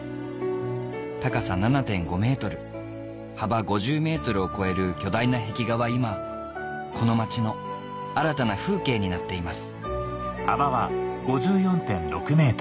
高さ７．５ｍ幅５０ｍを超える巨大な壁画は今この町の新たな風景になっています